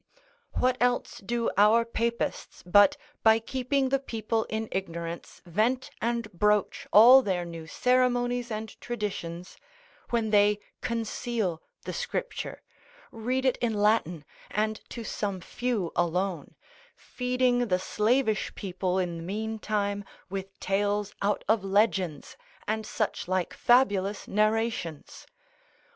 What else do our papists, but by keeping the people in ignorance vent and broach all their new ceremonies and traditions, when they conceal the scripture, read it in Latin, and to some few alone, feeding the slavish people in the meantime with tales out of legends, and such like fabulous narrations?